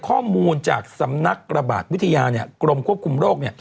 ข้อมูลจากสำนักระบาดวิทยากรมควบคุมโรค